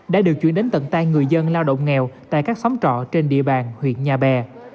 đã được chuyển đến tận tay người dân lao động nghèo tại các xóm trọ trên địa bàn huyện nhà bè